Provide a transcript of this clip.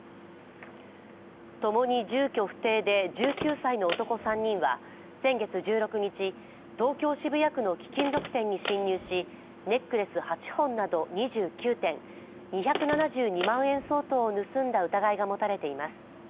共に住居不定で１９歳の男３人は先月１６日、東京・渋谷区の貴金属店に侵入しネックレス８本など２９点、２７２万円相当を盗んだ疑いがもたれています。